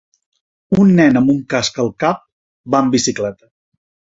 Un nen amb un casc al cap va amb bicicleta.